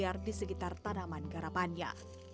dan selalu berkeliar di sekitar tanaman garapannya